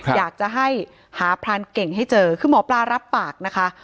อยากจะให้หาพรานเก่งให้เจอคือหมอปลารับปากนะคะ